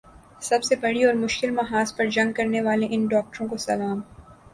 سب سے بڑی اور مشکل محاذ پر جنگ کرنے والے ان ڈاکٹروں کو سلام